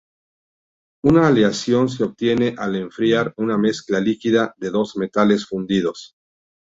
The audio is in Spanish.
Una aleación se obtiene al enfriar una mezcla líquida de dos metales fundidos.